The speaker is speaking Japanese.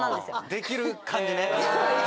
できる感じ。